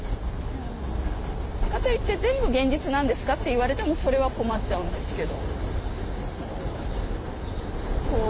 かといって「全部現実なんですか？」って言われてもそれは困っちゃうんですけど。